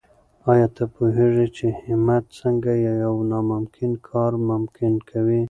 آیا ته پوهېږې چې همت څنګه یو ناممکن کار ممکن کوي؟